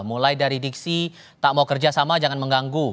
mulai dari diksi tak mau kerjasama jangan mengganggu